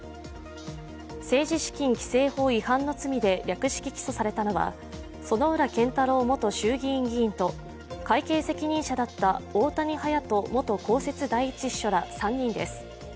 政治資金規正法違反の罪で略式起訴されたのは薗浦健太郎元衆議院議員と会計責任者だった大谷勇人元公設第一秘書ら３人です